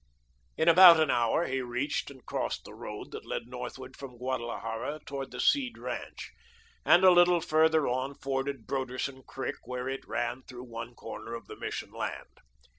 In about an hour he reached and crossed the road that led northward from Guadalajara toward the Seed ranch, and, a little farther on, forded Broderson Creek where it ran through one corner of the Mission land.